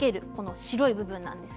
白い部分ですね。